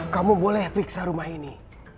kamu boleh periksa rumah ini